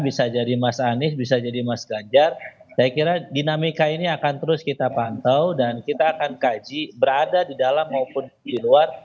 bisa jadi mas anies bisa jadi mas ganjar saya kira dinamika ini akan terus kita pantau dan kita akan kaji berada di dalam maupun di luar